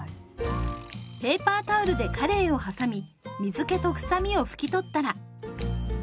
ペーパータオルでかれいをはさみ水けと臭みを拭き取ったら。